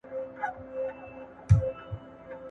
هغوی خاطب د منفي عواقبو څخه نه و خبر کړی.